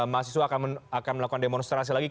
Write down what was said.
mahasiswa akan melakukan demonstrasi lagi